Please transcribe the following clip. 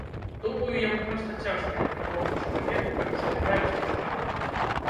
Думаю, яму проста цяжка, як любому чалавеку, калі забіраюць нешта роднае.